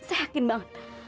saya yakin banget